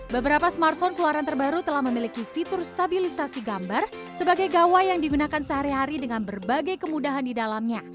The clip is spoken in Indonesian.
beberapa smartphone keluaran terbaru telah memiliki fitur stabilisasi gambar sebagai gawai yang digunakan sehari hari dengan berbagai kemudahan di dalamnya